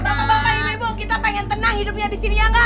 bapak bapak ibu ibu kita pengen tenang hidupnya disini ya engga